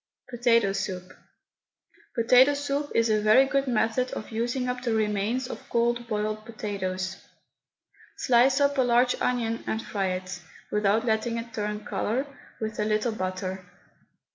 POTATO SOUP. Potato soup is a very good method of using up the remains of cold boiled potatoes. Slice up a large onion and fry it, without letting it turn colour, with a little butter.